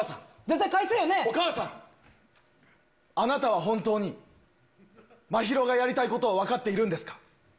あなたは本当に、真宙がやりたいことを分かっているんですか？